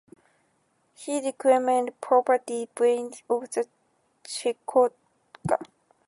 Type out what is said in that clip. He declaimed poetry, beating off a chechotka.